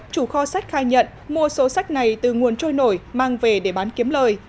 chủ kho sách khai nhận mua số sách này từ nguồn trôi nổi mang về để bán kiếm lời